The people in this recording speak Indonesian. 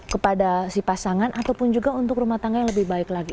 kepada si pasangan ataupun juga untuk rumah tangga yang lebih baik lagi